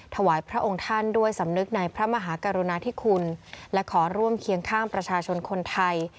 ถวายพระองค์ท่านด้วยสำนึกในพระมหากรุณาธิคุณและขอร่วมเคียงข้างประชาชนคนไทย